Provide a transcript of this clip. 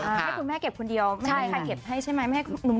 ให้คุณแม่เก็บคนเดียวไม่มีใครเก็บให้ใช่ไหม